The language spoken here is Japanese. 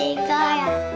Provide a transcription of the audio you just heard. やった！